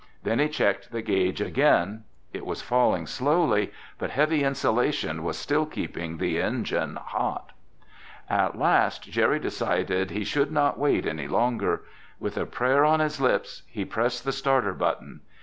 Then he checked the gauge again. It was falling slowly, but heavy insulation was still keeping the engine hot. At last Jerry decided he should not wait any longer. With a prayer on his lips, he pressed the starter button.